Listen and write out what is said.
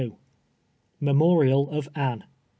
MEMORIAL OF ANNE.